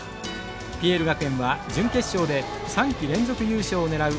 ＰＬ学園は準決勝で３季連続優勝を狙う